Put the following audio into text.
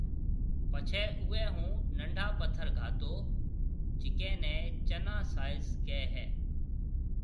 پڇيَ اوئيَ هون ننڊا پٿر گھاتو جڪيَ نيَ چنا سائز ڪيَ هيَ